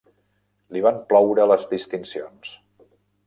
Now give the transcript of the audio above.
Li van ploure les distincions.